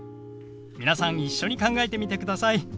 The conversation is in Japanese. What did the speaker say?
皆さん一緒に考えてみてください。